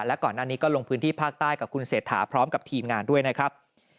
และก่อนหน้านี้ก็ลงพื้นที่ภาคใต้กับคุณเศรษฐาพร้อมกับทีมงานด้วยนะครับ